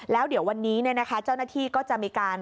แล้วเดี๋ยววันนี้เจ้าหน้าที่ก็จะมีการ